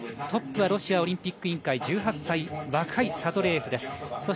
トップはロシアオリンピック委員会１８歳、若いサドレーエフです。